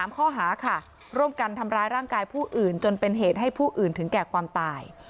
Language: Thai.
ข้อหาค่ะร่วมกันทำร้ายร่างกายผู้อื่นจนเป็นเหตุให้ผู้อื่นถึงแก่ความตาย